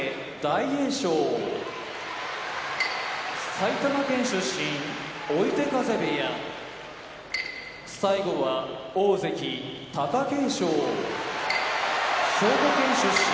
埼玉県出身追手風部屋大関・貴景勝兵庫県出身